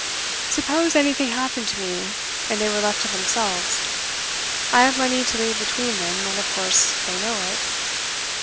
'Suppose anything happened to me, and they were left to themselves. I have money to leave between them, and of course they know it.